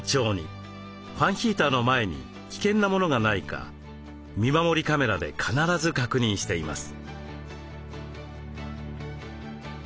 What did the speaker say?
ファンヒーターの前に危険なものがないか見守りカメラで必ず確認しています。